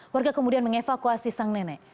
warga kemudian mengevakuasi sang nenek